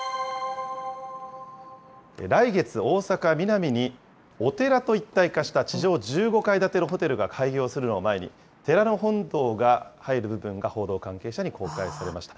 来月、大阪・ミナミにお寺と一体化した地上１５階建てのホテルが開業するのを前に、寺の本堂が入る部分が報道関係者に公開されました。